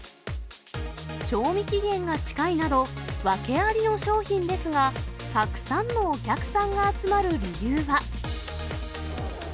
賞味期限が近いなど、ワケありの商品ですが、たくさんのお客さんが集まる理由は。